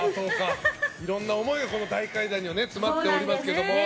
いろんな思いが大階段には詰まっておりますけども。